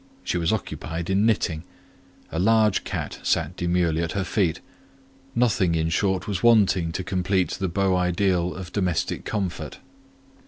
She was occupied in knitting; a large cat sat demurely at her feet; nothing in short was wanting to complete the beau ideal of domestic comfort.